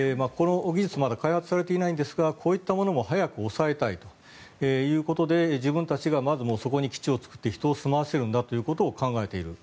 まだ開発されていないんですがそこを押さえたいということで自分たちがまずそこに基地を作って人を住まわせるんだということを考えている。